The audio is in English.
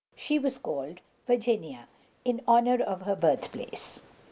She was called Virginia, in honor of her birthplace.